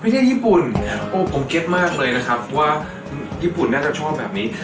ญี่ปุ่นโอ้ผมเก็ตมากเลยนะครับเพราะว่าญี่ปุ่นน่าจะชอบแบบนี้